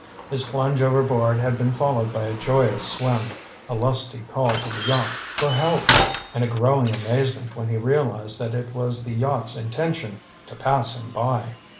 His plunge overboard had been followed by a joyous swim, a lusty call to the yacht for "Help," and a growing amazement when he realized that it was the yacht's intention to pass him by.